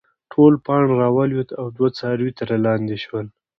ټول پاڼ راولويد او دوه څاروي ترې لانې شول